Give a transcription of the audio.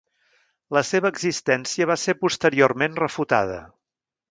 La seva existència va ser posteriorment refutada.